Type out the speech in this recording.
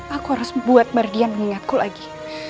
aku harus membuat mardian mengingatku lagi